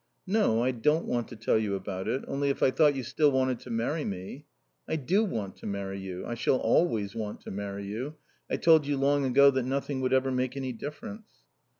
"No. I don't want to tell you about it. Only, if I thought you still wanted to marry me " "I do want to marry you. I shall always want to marry you. I told you long ago nothing would ever make any difference.